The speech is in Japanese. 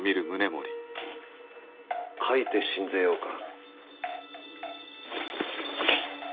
書いて進ぜようか。